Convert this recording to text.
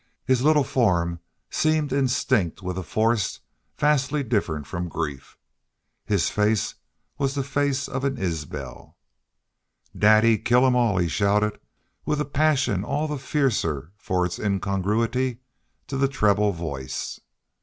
His little form seemed instinct with a force vastly different from grief. His face was the face of an Isbel. "Daddy kill 'em all!" he shouted, with a passion all the fiercer for its incongruity to the treble voice.